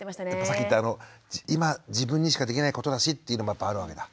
さっき言った今自分にしかできないことだしっていうのもやっぱあるわけだ。